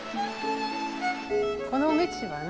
この道はね